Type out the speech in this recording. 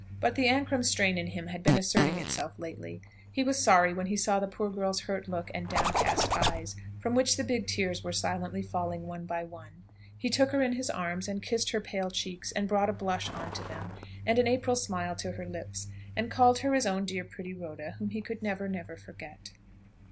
But the Ancram strain in him had been asserting itself lately. He was sorry when he saw the poor girl's hurt look and downcast eyes, from which the big tears were silently falling one by one. He took her in his arms, and kissed her pale cheeks, and brought a blush on to them, and an April smile to her lips; and called her his own dear pretty Rhoda, whom he could never, never forget.